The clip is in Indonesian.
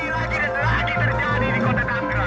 lagi lagi dan lagi terjadi di kota tanggerang